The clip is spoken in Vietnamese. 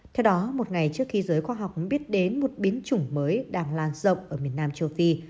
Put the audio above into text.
theo đó một ngày trước khi giới khoa học biết đến một biến chủng mới đang lan rộng ở miền nam châu phi